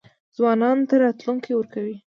ځوانانو ته راتلونکی ورکوي.